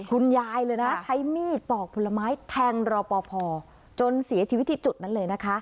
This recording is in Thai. คุณยายเลยนะใช้มีดปอกผลไม้แทงรอปภจนเสียชีวิตที่จุดนั้นเลยนะคะ